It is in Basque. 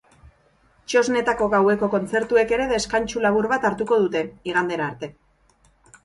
Txosnetako gaueko kontzertuek ere deskantsu labur bat hartuko dute, igandera arte.